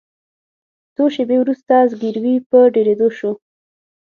څو شیبې وروسته زګیروي په ډیریدو شو.